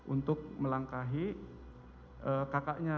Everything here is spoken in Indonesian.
untuk melangkahi kakaknya